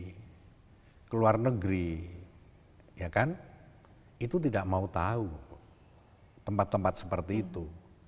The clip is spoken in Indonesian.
kalau kita pergi keluar negeri ya kan itu tidak mau tahu tempat tempat seperti itu